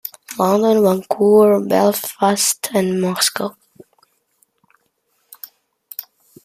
London, Vancouver, Belfast and Moscow.